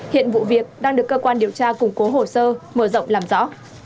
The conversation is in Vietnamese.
hiện vụ việc đang được cơ quan điều tra củng cố hồ sơ mở rộng làm rõ